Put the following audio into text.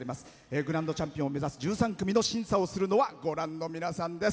グランドチャンピオンを目指す１３組の審査をするのはご覧の皆さんです。